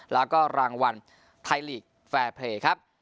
แล้วก็รางวัลไทยลีกแฟร์เพลย์ครับ